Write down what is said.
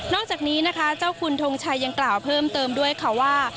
จากนี้นะคะเจ้าคุณทงชัยยังกล่าวเพิ่มเติมด้วยค่ะว่า